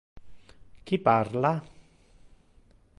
Qui parla?